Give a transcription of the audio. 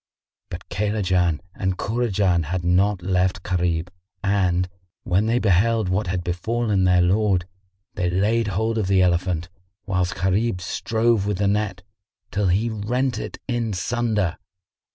But Kaylajan and Kurajan had not left Gharib and, when they beheld what had befallen their lord, they laid hold of the elephant, whilst Gharib strove with the net, till he rent it in sunder.